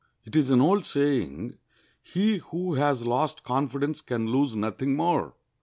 It is an old saying, "He who has lost confidence can lose nothing more."